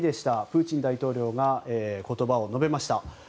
プーチン大統領が言葉を述べました。